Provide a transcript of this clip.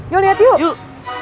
yuk liat yuk